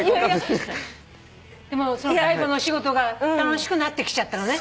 でも介護のお仕事が楽しくなってきちゃったのね。